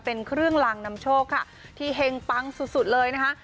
เป็นเครื่องลางนำโชคค่ะที่เฮงปังสุดเลยนะคะ